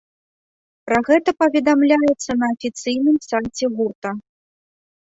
Пра гэта паведамляецца на афіцыйным сайце гурта.